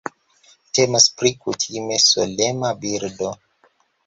Temas pri kutime solema birdo.